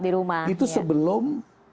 di rumah itu sebelum